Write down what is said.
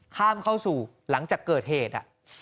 ข้ามเข้าสู่หลังจากเกิดเหตุ